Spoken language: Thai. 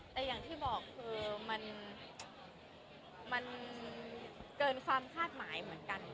แต่อย่างที่บอกคือมันเกินความคาดหมายเหมือนกัน